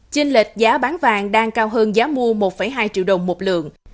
trên lệch giá bán vàng đang cao hơn giá mua một hai triệu đồng một lượng